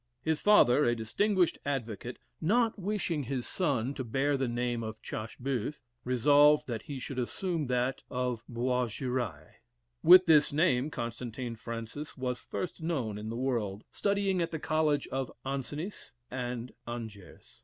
His father, a distinguished advocate, not wishing his son to bear the name of Chasseboeuf, resolved that he should assume that of Boisgirais. With this name Constantine Francis was first known in the world, studying at the College of Ancenis and Angers.